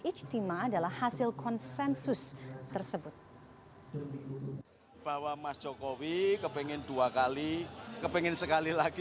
ijtima adalah hasil konsensus tersebut bahwa mas jokowi kepingin dua kali kepingin sekali lagi